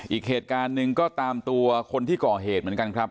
อีกเหตุการณ์หนึ่งก็ตามตัวคนที่ก่อเหตุเหมือนกันครับ